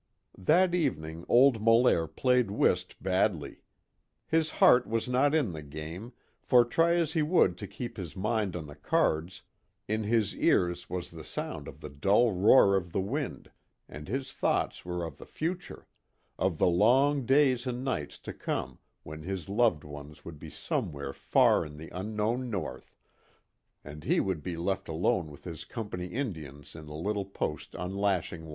That evening old Molaire played whist badly. His heart was not in the game, for try as he would to keep his mind on the cards, in his ears was the sound of the dull roar of the wind, and his thoughts were of the future of the long days and nights to come when his loved ones would be somewhere far in the unknown North, and he would be left alone with his Company Indians in the little post on Lashing Water.